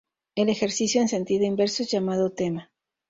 El ejercicio en sentido inverso es llamado tema.